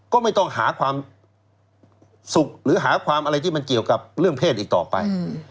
ก็ไม่ต้องหาความสุขหรือหาความอะไรที่มันเกี่ยวกับเรื่องเพศอีกต่อไป